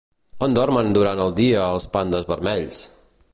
On dormen durant el dia els pandes vermells?